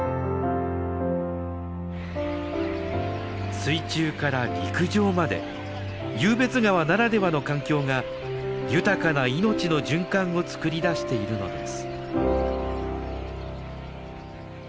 水中から陸上まで湧別川ならではの環境が豊かな命の循環を作り出しているのです。